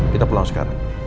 kita pulang sekarang